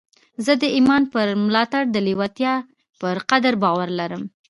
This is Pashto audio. زه د ایمان پر ملاتړ د لېوالتیا پر قدرت باور لرم